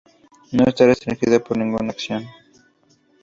No está restringida por ninguna nación.